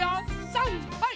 さんはい！